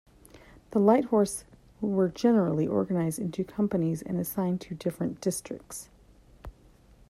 The Lighthorse were generally organized into companies and assigned to different districts.